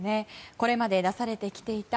これまで出されてきていた